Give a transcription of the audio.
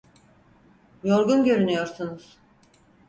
Yorgun görünüyorsunuz.